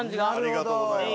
ありがとうございます。